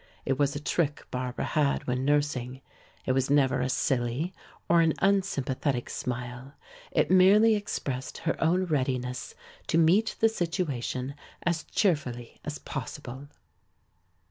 It was a trick Barbara had when nursing. It was never a silly or an unsympathetic smile. It merely expressed her own readiness to meet the situation as cheerfully as possible.